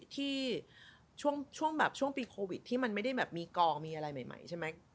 ช่วงแบบช่วงปีโควิดที่มันไม่ได้แบบมีกองมีอะไรใหม่ใช่ไหม